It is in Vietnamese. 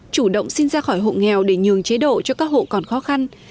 chủ động xin ra khỏi hộ nghèo để nhường chế độ cho các hộ còn khó khăn